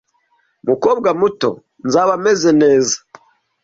"Mukobwa muto, nzaba meze neza.